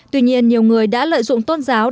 tuy nhiên nhiều người đã lợi dụng tôn giáo